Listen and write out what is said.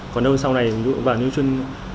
còn sau này vào như chuyên